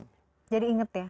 jadi inget ya